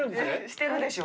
してるでしょ。